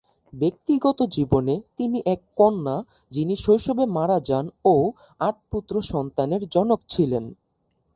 ব্যক্তিগত জীবনে তিনি এক কন্যা যিনি শৈশবে মারা যান ও আট পুত্র সন্তানের জনক ছিলেন।